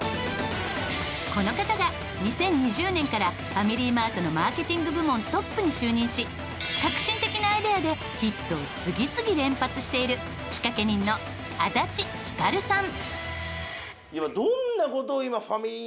この方が２０２０年からファミリーマートのマーケティング部門トップに就任し革新的なアイデアでヒットを次々連発している仕掛け人の足立光さん。